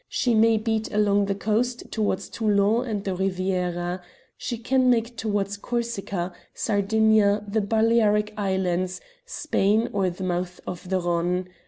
She may beat along the coast towards Toulon and the Riviera. She can make towards Corsica, Sardinia, the Balearic Islands, Spain, or the mouth of the Rhone.